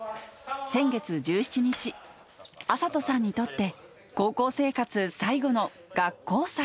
先月１７日、暁里さんにとって、高校生活最後の学校祭。